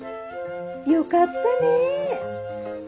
よかったねえ。